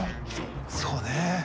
そうね。